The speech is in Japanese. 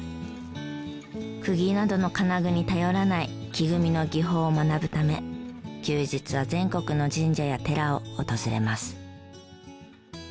釘などの金具に頼らない木組みの技法を学ぶため休日は全国の神社や寺を訪れます。